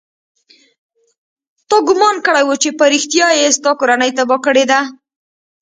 تا ګومان کړى و چې په رښتيا يې ستا کورنۍ تباه کړې ده.